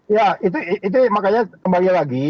ya itu makanya kembali lagi